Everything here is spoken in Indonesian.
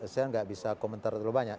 saya nggak bisa komentar terlalu banyak